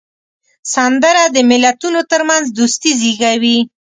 سندره د ملتونو ترمنځ دوستي زیږوي